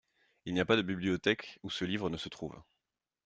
Il n’y a pas de bibliothèque où ce livre ne se trouve.